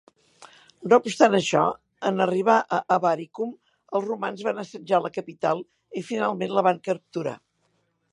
No obstant això, en arribar a Avaricum, els romans van assetjar la capital i finalment la van capturar.